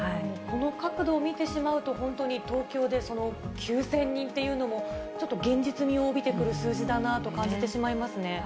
この角度を見てしまうと、本当に東京でその９０００人というのも、ちょっと現実味を帯びてくる数字だなと感じてしまいますね。